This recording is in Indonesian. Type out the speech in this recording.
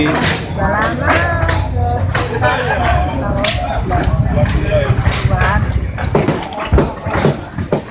sudah lama sudah empat tahun